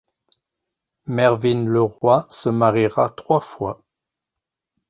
Mervyn LeRoy se mariera trois fois.